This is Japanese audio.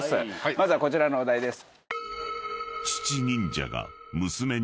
まずはこちらのお題です。